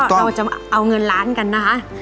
แล้วก็เราจะเอาเงินล้านกันนะคะ